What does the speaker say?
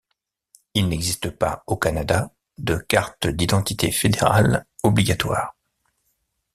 Il n'existe pas au Canada de carte d'identité fédérale obligatoire.